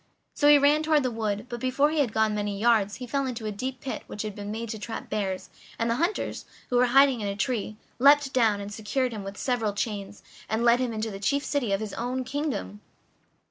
So he ran toward the wood, but before he had gone many yards he fell into a deep pit which had been made to trap bears, and the hunters, who were hiding in a tree, leaped down, and secured him with several chains, and led him into the chief city of his own kingdom.